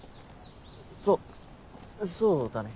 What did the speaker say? そそうだね。